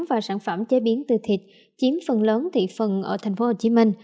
và sản phẩm chế biến từ thịt chiếm phần lớn thị phần ở tp hcm